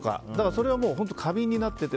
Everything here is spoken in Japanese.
それはもう過敏になってて。